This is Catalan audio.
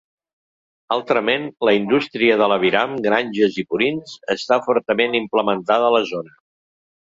Altrament, la indústria de l'aviram, granges i purins, està fortament implementada a la zona.